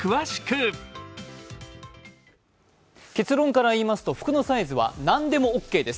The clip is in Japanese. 結論から言いますと服のサイズは何でもオーケーです。